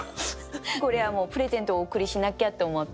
これはもうプレゼントをお贈りしなきゃって思って。